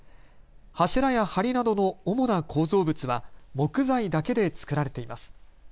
柱やはりなどの主な構造物は木材だけで造られています。